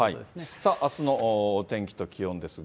さあ、あすの天気と気温ですが。